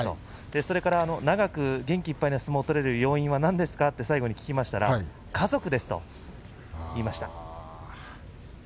それから長く元気いっぱいの相撲を取れる要因は何ですかと聞きましたら家族ですと言いました。